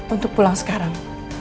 untuk pulang sekarang